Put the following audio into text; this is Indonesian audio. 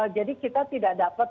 jadi kita tidak dapat